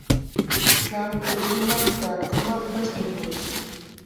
ئىسلام : بويسۇنماق، ئىتائەت قىلماق، باش ئەگمەك.